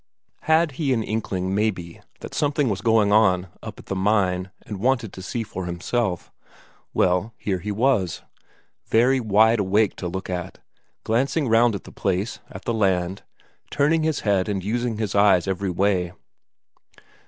Had he an inkling, maybe, that something was going on up at the mine, and wanted to see for himself? Well, here he was. Very wide awake to look at, glancing round at the place, at the land, turning his head and using his eyes every way.